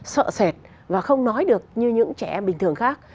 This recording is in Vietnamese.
sợ sệt và không nói được như những trẻ em bình thường khác